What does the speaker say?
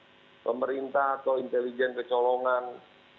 ini tinggal bagaimana presiden menggerakkan juga tni di depan bersama dengan sekolah sekolah